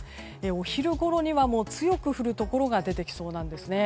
お昼ごろには、強く降るところが出てきそうなんです。